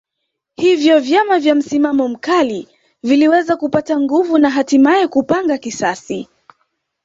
Hivyo vyama vya msimamo mkali viliweza kupata nguvu na hatimaye kupanga kisasi